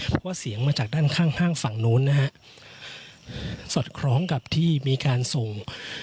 เพราะว่าเสียงมาจากด้านข้างห้างฝั่งนู้นนะฮะสอดคล้องกับที่มีการส่ง